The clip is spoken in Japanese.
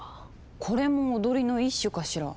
これも踊りの一種かしら？